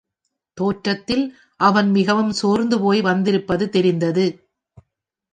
தோற்றத்தில் அவன் மிகவும் சோர்ந்து போய் வந்திருப்பது தெரிந்தது.